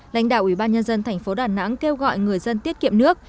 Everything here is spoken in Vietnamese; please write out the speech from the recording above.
lãnh đạo ủy ban nhân dân thành phố đà nẵng kêu gọi người dân tiết kiệm nước